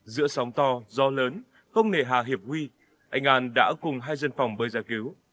giữa sóng to gió lớn không nề hà hiệp huy anh an đã cùng hai dân phòng bơi ra cứu